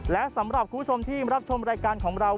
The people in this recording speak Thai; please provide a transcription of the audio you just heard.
และสำหรับคุณผู้ชมที่รับชมรายการของเรา